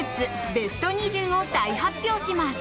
ベスト２０を大発表します。